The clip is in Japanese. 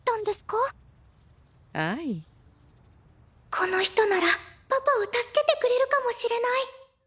この人ならパパを助けてくれるかもしれない。